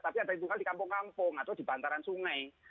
tapi ada yang tinggal di kampung kampung atau di bantaran sungai